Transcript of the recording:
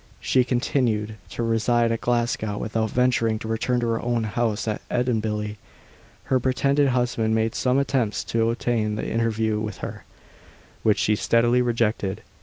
She continued to reside at Glasgow, without venturing to return to her own house at Edinbilly. Her pretended husband made some attempts to obtain an interview with her, which she steadily rejected.